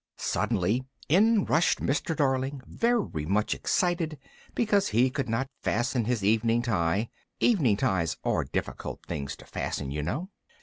Suddenly, in rushed Mr. Darling, very much excited because he could not fasten his evening tie (evening ties are difficult things to fasten, you know).